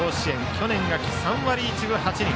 去年秋は３割１分８厘。